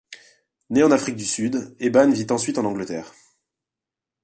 Né en Afrique du Sud, Eban vit ensuite en Angleterre.